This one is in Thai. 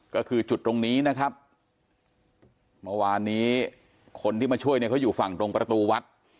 ก็คือจุดตรงนี้นะครับเมื่อวานนี้คนที่มาช่วยเนี่ยเขาอยู่ฝั่งตรงประตูวัด